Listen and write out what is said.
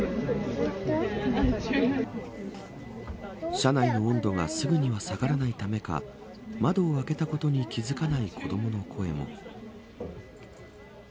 車内の温度がすぐには下がらないためか窓を開けたことに気付かない子どもの声も。